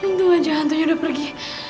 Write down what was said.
hantu aja hantunya udah pergi